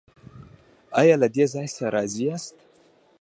ایا له دې ځای راضي یاست؟